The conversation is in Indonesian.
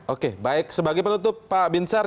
oke baik sebagai penutup pak binsar